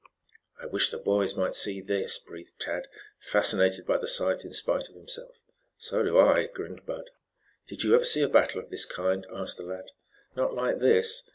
"I wish the boys might see this," breathed Tad, fascinated by the sight in spite of himself. "So do I," grinned Bud. "Did you ever see a battle of this kind?" asked the lad. "Not like this.